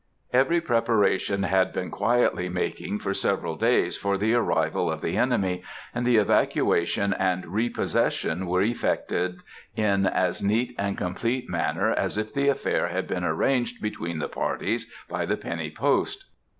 Every preparation had been quietly making for several days for the arrival of the enemy, and the evacuation and repossession were effected in as neat and complete a manner as if the affair had been arranged between the parties by the penny post.